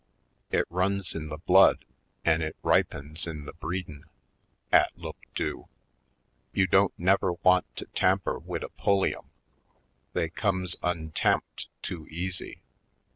It runs in the blood an' it ripens in the breedin' —■ 'at look do. You don't never want to tamper wid a Pulliam — they comes untamped too easy!